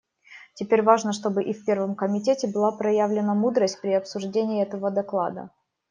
Теперь важно, чтобы и в Первом комитете была проявлена мудрость при обсуждении этого доклада.